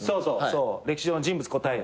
そう歴史上の人物答える。